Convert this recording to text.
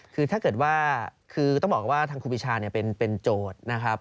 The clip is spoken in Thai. คือถ้าเกิดว่าคือต้องบอกว่าทางครูปีชาเป็นโจทย์นะครับ